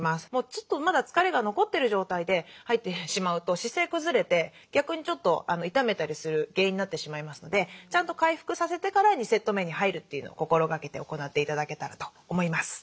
ちょっとまだ疲れが残ってる状態で入ってしまうと姿勢くずれて逆にちょっと痛めたりする原因になってしまいますのでちゃんと回復させてから２セット目に入るというのを心がけて行って頂けたらと思います。